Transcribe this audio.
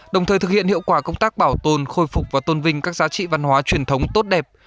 đồng thời thực hiện hiệu quả công tác bảo tồn khôi phục và tôn vinh các giá trị văn hóa truyền thống tốt đẹp